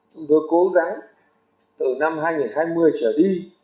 chúng tôi cố gắng từ năm hai nghìn hai mươi trở đi